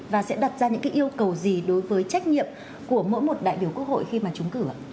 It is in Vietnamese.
và sẽ đặt ra những yêu cầu gì đối với trách nhiệm của mỗi một đại biểu quốc hội khi mà chúng cử ạ